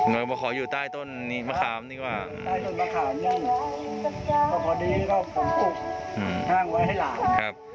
ก็คือต่างอยู่ดีกว่านะครับ